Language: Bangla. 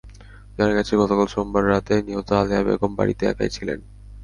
জানা গেছে, গতকাল সোমবার রাতে নিহত আলেয়া বেগম বাড়িতে একাই ছিলেন।